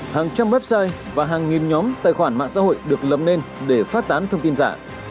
hàng trăm website và hàng nghìn nhóm tài khoản mạng xã hội được lập nên để phát tán thông tin giả